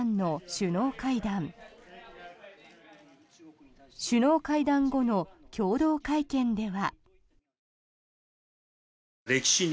首脳会談後の共同会見では。